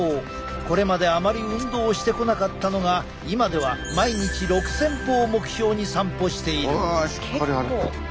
これまであまり運動してこなかったのが今では毎日６，０００歩を目標に散歩している。